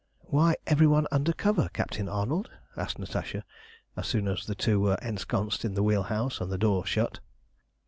"Why every one under cover, Captain Arnold?" asked Natasha, as soon as the two were ensconced in the wheel house and the door shut.